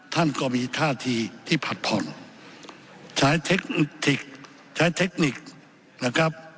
ท่านก็มีท่าทีที่ผัดผ่อนใช้เทคนิคใช้เทคนิคนะครับ